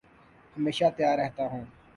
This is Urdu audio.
ہمیشہ تیار رہتا ہوں